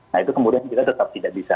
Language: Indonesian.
nah itu kemudian kita tetap tidak bisa